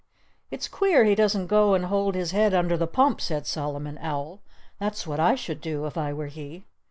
"It's queer he doesn't go and hold his head under the pump," said Solomon Owl. "That's what I should do, if I were he."